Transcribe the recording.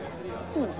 うん。